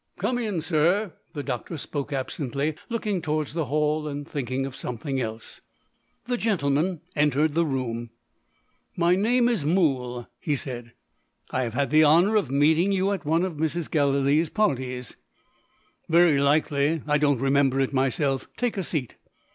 "Come in, sir." The doctor spoke absently, looking towards the hall, and thinking of something else. The gentleman entered the room. "My name is Mool," he said. "I have had the honour of meeting you at one of Mrs. Gallilee's parties." "Very likely. I don't remember it myself. Take a seat."